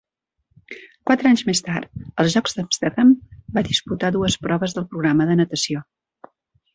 Quatre anys més tard, als Jocs d'Amsterdam, va disputar dues proves del programa de natació.